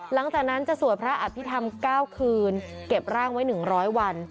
หลังจากนั้นจะสวดพระอภิษฐรรม๙คืนเก็บร่างไว้๑๐๐วัน